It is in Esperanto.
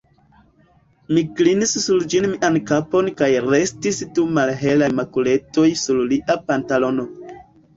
Mi klinis sur ĝi mian kapon kaj restis du malhelaj makuletoj sur lia pantalono.